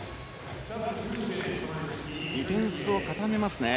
ディフェンスを固めますね。